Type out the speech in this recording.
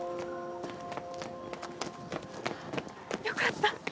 よかった！